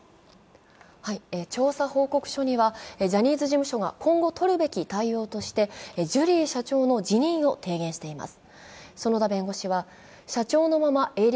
調査報告書には、ジャニーズ事務所が今後取るべき対応として、ジュリー社長の辞任を提言しています。